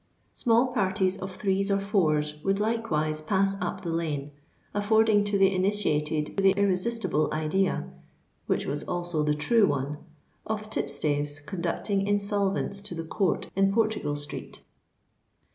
Small parties of threes or fours would likewise pass up the lane, affording to the initiated the irresistible idea—which was also the true one—of tipstaves conducting insolvents to the court in Portugal Street.